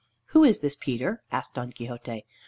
"Who is this Peter?" asked Don Quixote.